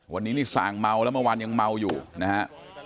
วันนี้นี่สั่งเมาแล้วเมื่อวานยังเมาอยู่นะฮะ